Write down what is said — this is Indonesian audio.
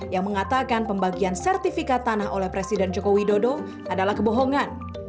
yang mengatakan pembagian sertifikat tanah oleh presiden joko widodo adalah kebohongan